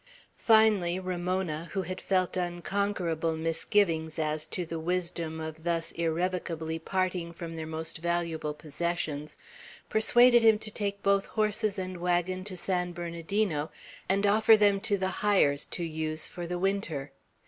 Finally Ramona, who had felt unconquerable misgivings as to the wisdom of thus irrevocably parting from their most valuable possessions, persuaded him to take both horses and wagon to San Bernardino, and offer them to the Hyers to use for the winter.